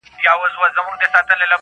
ټول لګښت دي درکومه نه وېرېږم-